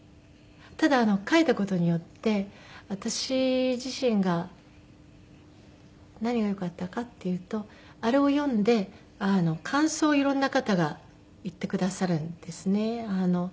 ただ書いた事によって私自身が何がよかったかっていうとあれを読んで感想を色んな方が言ってくださるんですね。